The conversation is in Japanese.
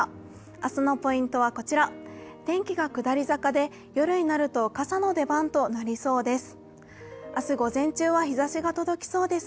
明日のポイントはこちら、天気が下り坂で夜になると傘の出番となりそうです。